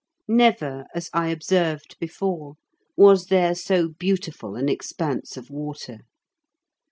Never, as I observed before, was there so beautiful an expanse of water.